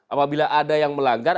apabila ada yang melanggar